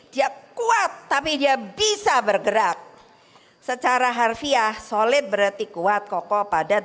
dia kuat tapi dia bisa bergerak secara harfiah solid berarti kuat kokoh padat